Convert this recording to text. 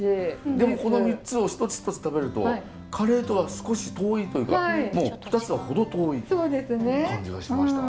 でもこの３つを一つ一つ食べるとカレーとは少し遠いというかもう２つは程遠い感じがしました。